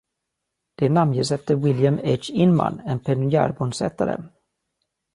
Det namnges efter William H. Inman, en pionjärbosättare.